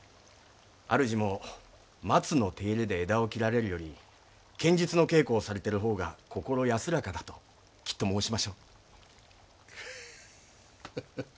主も松の手入れで枝を切られるより剣術の稽古をされてる方が心安らかだときっと申しましょう。